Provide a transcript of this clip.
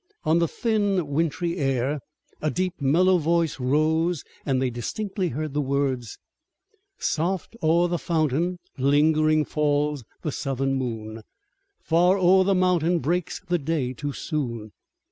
On the thin wintry air a deep mellow voice rose and they distinctly heard the words: Soft o'er the fountain, ling'ring falls the southern moon, Far o'er the mountain breaks the day too soon.